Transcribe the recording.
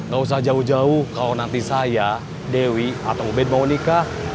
gak usah jauh jauh kalau nanti saya dewi atau ubed mau nikah